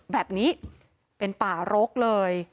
แบบนี้เป็นป่ารกเลย